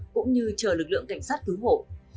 cũng như chờ lực lượng cảnh sát cứu hộ